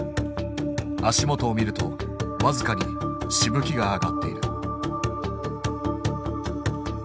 足元を見ると僅かにしぶきが上がっている。